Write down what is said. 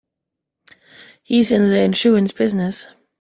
He's in the insurance business.